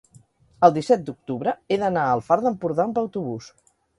el disset d'octubre he d'anar al Far d'Empordà amb autobús.